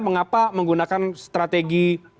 mengapa menggunakan strategi